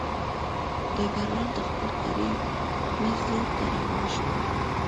ډګروال د خپل کاري مېز لور ته روان شو